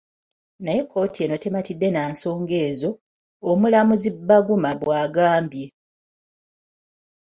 Naye kkooti eno tematidde na nsonga ezo,” Omulamuzi Baguma bw'agambye.